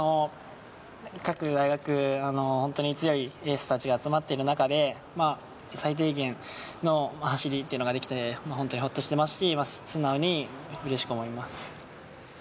各大学、本当に強いエースたちが集まっている中で最低限の走りというのができて、ほっとしていますし、素直にうれしく思います。